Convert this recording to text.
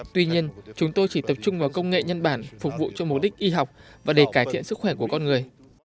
tuy nhiên chúng tôi chỉ tập trung vào công nghệ nhân bản phục vụ cho mục đích y học và để cải thiện sức khỏe của con người